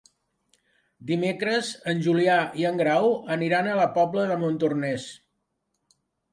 Dimecres en Julià i en Grau aniran a la Pobla de Montornès.